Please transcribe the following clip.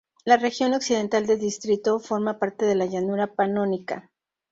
La región occidental del distrito forma parte de la Llanura panónica.